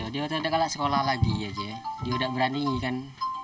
dia sudah kalah sekolah lagi dia sudah berani kan